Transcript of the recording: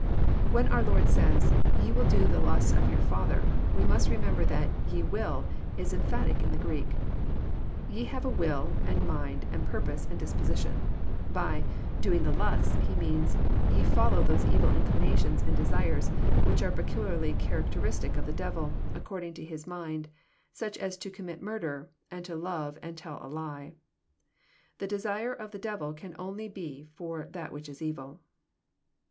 When our Lord says, " Ye will do the lusts of your father," we must remember that " ye will " is emphatic in the Greek. " Ye have a will, and mind, and purpose, and disposition." — By doing the lusts," lie means ye follow those evil inclinations and desires " which are peculiarly characteristic of the devil, and according to his mind, — such as to commit murder, and to love and tell a lie. The desire of the devil can only be for that which is evil.